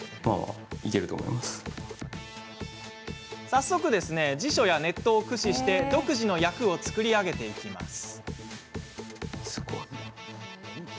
早速、辞書やネットを駆使して独自の訳を作り上げていきます。